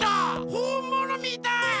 ほんものみたい！